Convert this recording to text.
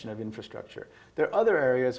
dan itu terdapat dalam